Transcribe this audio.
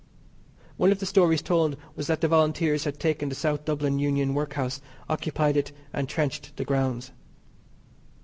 One of the stories told was that the Volunteers had taken the South Dublin Union Workhouse, occupied it, and trenched the grounds.